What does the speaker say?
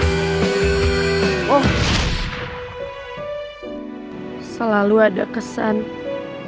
yang gak bisa dilupain setiap gue lagi sama lo